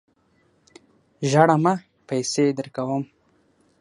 ژاړه مه ! پیسې درکوم.